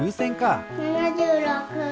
７６。